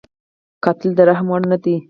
قاتل د رحم وړ نه دی